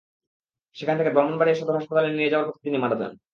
সেখান থেকে ব্রাহ্মণবাড়িয়া সদর হাসপাতালে নিয়ে যাওয়ার পথে তিনি মারা যান।